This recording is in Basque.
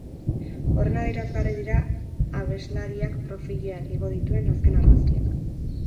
Horren adierazgarri dira abeslariakprofilean igo dituen azken argazkiak.